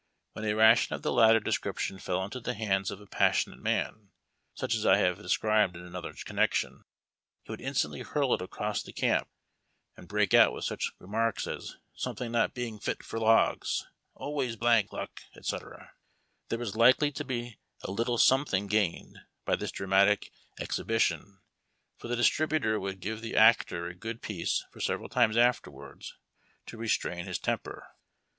When a ration of the latter description fell into the liands of a passionate man, such as I have described in another connection, he would instantl}' hurl it across the camp, and break out with such remarks as "something not being fit for hogs," "alwaj^s his blank luck," etc. There was likely to be a little something gained by this dramatic exhibition, for the distributor would give the actor a good piece for several times afterwards, to restrain his temper.